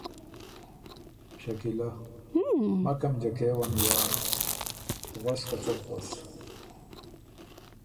شکیلۀ: مکم جکېون یار غؤس که څۀ بو غؤس